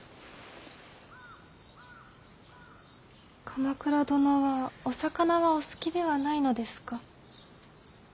鎌倉殿はお魚はお好きではないのですか。